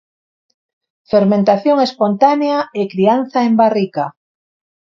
Fermentación espontánea e crianza en barrica.